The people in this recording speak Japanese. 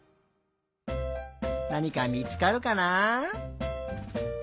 なにかみつかるかな？